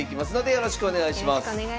よろしくお願いします。